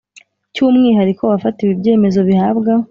cy umwihariko wafatiwe ibyemezo bihabwa